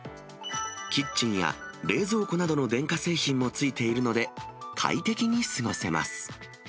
キッチンや冷蔵庫などの電化製品も付いているので、快適に過ごせます。